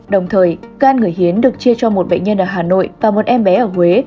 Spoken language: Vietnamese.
đồng thời can người hiến được chia cho một bệnh nhân ở hà nội và một em bé ở huế